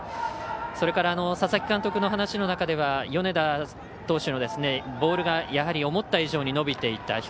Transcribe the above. それから佐々木監督の話の中では米田投手のボールが思った以上に伸びていた。